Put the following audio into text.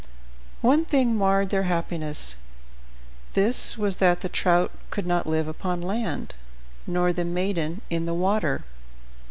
One thing marred their happiness. This was that the trout could not live upon land, nor the maiden in the water.